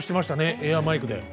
エアマイクで。